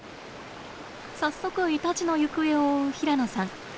早速イタチの行方を追う平野さん。